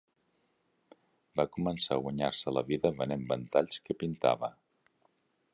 Va començar a guanyar-se la vida venent ventalls que pintava.